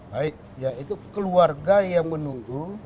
baik ya itu keluarga yang menunggu